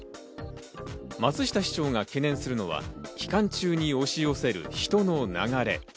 松下市長が懸念するのは、期間中に押し寄せる人の流れ。